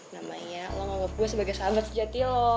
namanya lo nganggep gue sebagai sahabat sejati lo